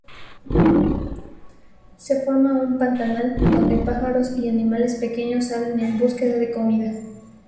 Se forma un Pantanal, donde pájaros y animales pequeños salen en búsqueda de comida.